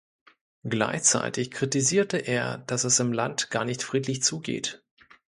Gleichzeitig kritisierte er, dass es im Land gar nicht friedlich zugeht.